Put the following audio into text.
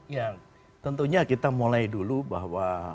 ya tentunya kita mulai dulu bahwa